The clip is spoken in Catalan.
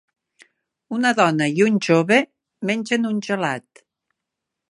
Un dona i un jove mengen un gelat.